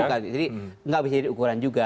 jadi gak bisa jadi ukuran juga